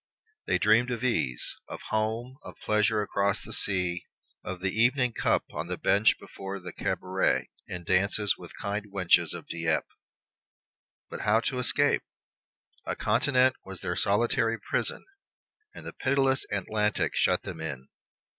They dreamed of ease, of home, of pleasures across the sea, of the evening cup on the bench before the cabaret, and dances with kind wenches of Dieppe. But how to escape? A continent was their solitary prison, and the pitiless Atlantic shut them in.